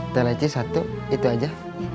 teh leci satu itu aja